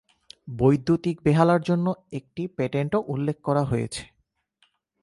বৈদ্যুতিক বেহালার জন্য একটি পেটেন্টও উল্লেখ করা হয়েছে।